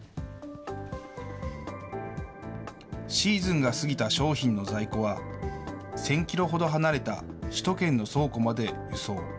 シーズンが過ぎた商品の在庫は、１０００キロほど離れた首都圏の倉庫まで輸送。